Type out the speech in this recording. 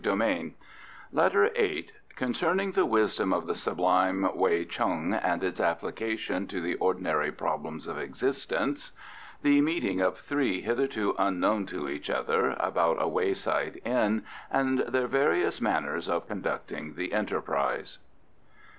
KONG HO. LETTER VIII Concerning the wisdom of the sublime Wei Chung and its application to the ordinary problems of existence. The meeting of three, hitherto unknown to each other, about a wayside inn, and their various manners of conducting the enterprise.